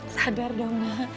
sadar dong ma